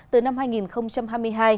từ năm hai nghìn hai mươi hai